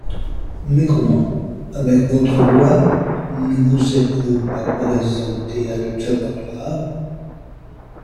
Mais comment, avec votre voix, ne vous êtes-vous pas présenté à l’Observatoire ?